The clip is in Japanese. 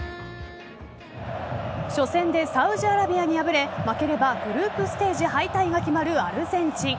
初戦でサウジアラビアに敗れ負ければグループステージ敗退が決まるアルゼンチン。